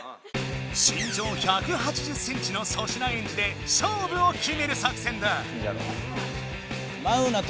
身長１８０ｃｍの粗品エンジで勝負を決める作戦だ！